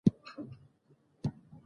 دا مانیټور تر هغه بل لوی دی.